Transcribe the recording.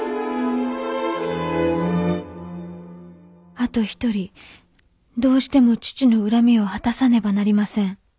あと１人どうしても父の恨みを果たさねばなりません。